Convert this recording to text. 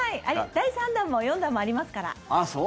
第３弾も４弾もありますから。